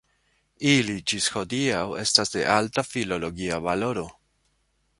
Ili ĝis hodiaŭ estas de alta filologia valoro.